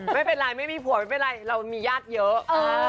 ไม่เป็นไรไม่มีผัวไม่เป็นไรเรามีญาติเยอะ